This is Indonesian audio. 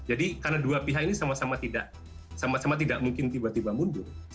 jadi karena dua pihak ini sama sama tidak mungkin tiba tiba mundur